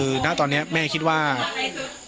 ปกติพี่สาวเราเนี่ยครับเปล่าครับเปล่าครับเปล่าครับ